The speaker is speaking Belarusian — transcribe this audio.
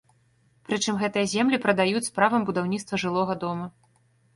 Прычым гэтыя землі прадаюць з правам будаўніцтва жылога дома.